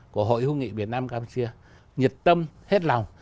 của hội hữu nghị việt nam campuchia nhiệt tâm hết lòng